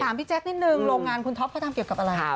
พี่แจ๊คนิดนึงโรงงานคุณท็อปเขาทำเกี่ยวกับอะไร